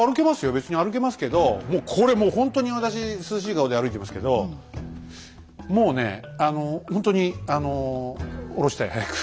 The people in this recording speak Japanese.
別に歩けますけどもうこれもうほんとに私涼しい顔で歩いてますけどもうねあのほんとにあの下ろしたい早く。